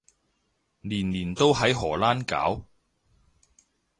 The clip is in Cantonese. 年年都喺荷蘭搞？